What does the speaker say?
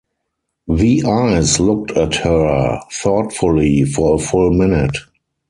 The eyes looked at her thoughtfully for a full minute.